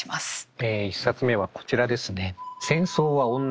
え１冊目はこちらですね。